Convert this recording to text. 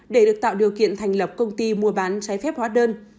để được tạo điều kiện thành lập công ty mua bán trái phép hóa đơn